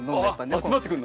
集まってくるの？